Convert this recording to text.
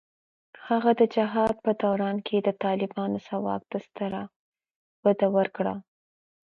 هغه د جهاد په دوران کې د طالبانو ځواک ته ستره وده ورکړه.